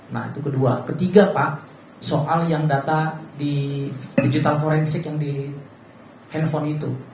nah itu kedua ketiga pak soal yang data di digital forensik yang di handphone itu